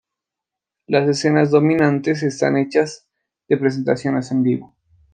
Las escenas dominantes están hechas de presentaciones en vivo.